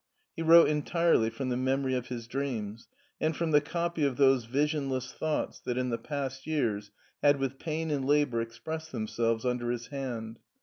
He wrote entirely from the memory of his dreams, and from the copy of those visionless thoughts that in the past years had with pain and labor expressed themselves under his hand.